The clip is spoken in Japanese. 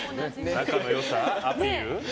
仲の良さアピール？